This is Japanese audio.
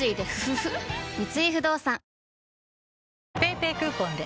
三井不動産ＰａｙＰａｙクーポンで！